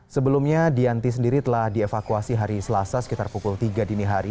sebelumnya dianti sendiri telah dievakuasi hari selasa sekitar pukul tiga dini hari